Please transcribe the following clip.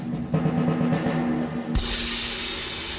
อย่างแรกเลยก็คือการทำบุญเกี่ยวกับเรื่องของพวกการเงินโชคลาภ